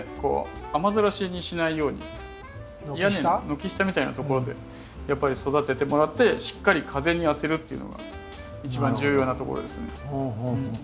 軒下みたいなところでやっぱり育ててもらってしっかり風に当てるっていうのが一番重要なところですね。